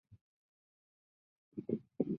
滇西绿绒蒿为罂粟科绿绒蒿属下的一个种。